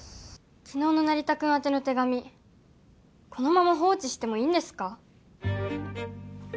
昨日の成田君宛ての手紙このまま放置してもいいんですか？